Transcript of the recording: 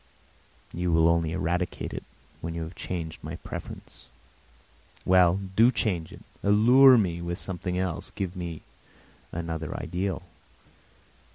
You will only eradicate it when you have changed my preference. Well, do change it, allure me with something else, give me another ideal.